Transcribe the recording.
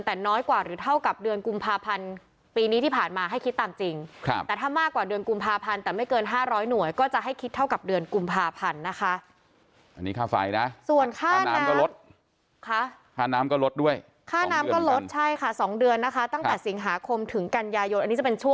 แต่น้อยกว่าหรือเท่ากับเดือนกุมภาพันธุ์ปีนี้ที่ผ่านมาให้คิดตามจริงครับ